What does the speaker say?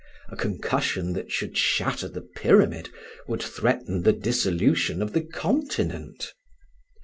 A concussion that should shatter the pyramid would threaten the dissolution of the continent.